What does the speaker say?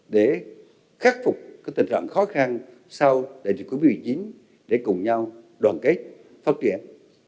để khắc phục tình trạng khó khăn sau đại dịch covid một mươi chín để cùng nhau đoàn kết phát triển